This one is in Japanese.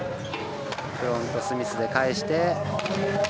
フロントスミスで返して。